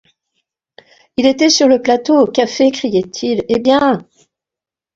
Il était sur le plateau au café, criait-il; eh bien!